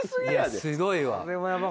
いやすごいわ。